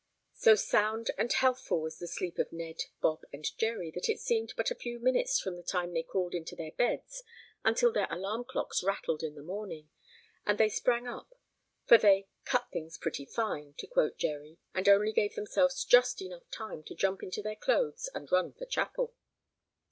So sound and healthful was the sleep of Ned, Bob and Jerry that it seemed but a few minutes from the time they crawled into their beds until their alarm clocks rattled in the morning, and they sprang up. For they "cut things pretty fine," to quote Jerry, and only gave themselves just enough time to jump into their clothes and run for chapel.